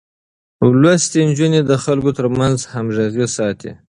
لوستې نجونې د خلکو ترمنځ همغږي ساتي.